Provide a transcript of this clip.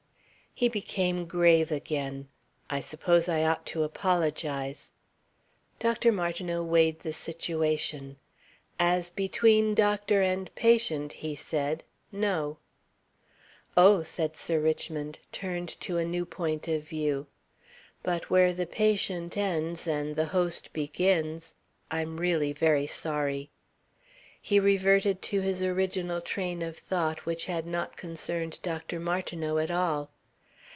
He became grave again. "I suppose I ought to apologize." Dr. Martineau weighed the situation. "As between doctor and patient," he said. "No." "Oh!" said Sir Richmond, turned to a new point of view. "But where the patient ends and the host begins.... I'm really very sorry." He reverted to his original train of thought which had not concerned Dr. Martineau at all.